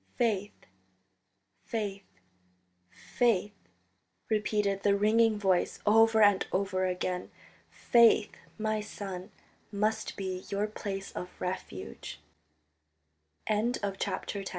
"Faith, faith, faith," repeated the ringing voice over and over again. "Faith, my son, must be your place of refuge." XI THE POPE OF THE